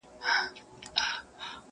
• چي قاضي څه کوي زه ډېر په شرمېږم..